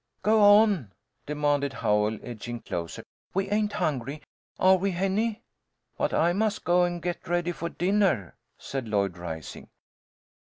"Go on," demanded Howell, edging closer. "We ain't hungry. Are we, Henny?" "But I must go and get ready for dinner," said Lloyd, rising.